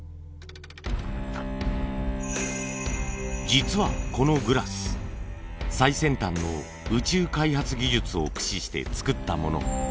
実はこのグラス最先端の宇宙開発技術を駆使して作ったもの。